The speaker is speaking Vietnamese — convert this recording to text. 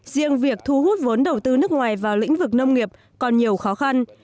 riêng việc thu hút vốn đầu tư nước ngoài vào lĩnh vực nông nghiệp còn nhiều khó khăn